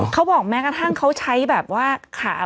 เขาบอกแม้กระทั่งเขาใช้แบบว่าขา